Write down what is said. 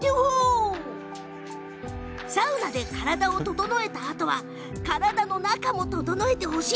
サウナで体を整えたあとは体の中も整えてほしい。